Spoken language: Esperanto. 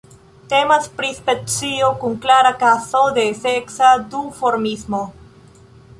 Temas pri specio kun klara kazo de seksa duformismo.